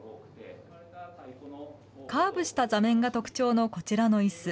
カーブした座面が特徴のこちらのいす。